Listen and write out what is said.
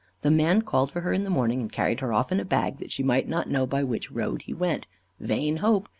The man called for her in the morning, and carried her off in a bag, that she might not know by what road he went. Vain hope!